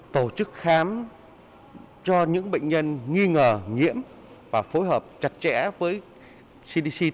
tổ chức khám cho những bệnh nhân nghi ngờ nhiễm và phối hợp chặt chẽ với cdc